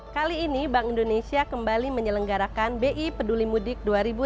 kali ini bank indonesia kembali menyelenggarakan bi peduli mudik dua ribu sembilan belas